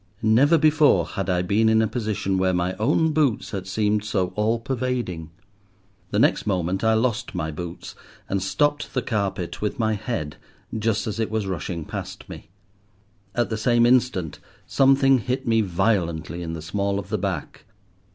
Never before had I been in a position where my own boots had seemed so all pervading. The next moment I lost my boots, and stopped the carpet with my head just as it was rushing past me. At the same instant something hit me violently in the small of the back.